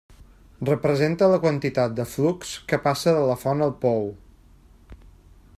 Representa la quantitat de flux que passa de la font al pou.